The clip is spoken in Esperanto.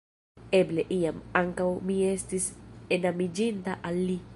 Eble, iam, ankaŭ mi estis enamiĝinta al li.